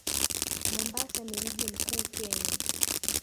Mombasa ni mji mkuu Kenya